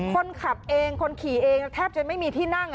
คนขับเองคนขี่เองแทบจะไม่มีที่นั่ง